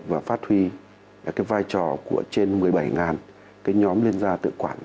và phát huy vai trò của trên một mươi bảy nhóm lên ra tự quản